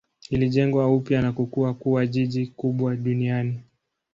Ilijengwa upya na kukua kuwa jiji kubwa duniani.